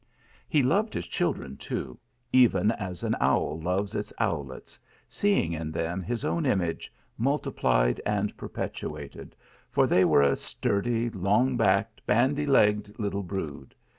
He loved his children too, even as an owl loves its owlets, seeing in them his own image multiplied and perpetuated, for they were a sturdy, long backed, bandy legged little brood.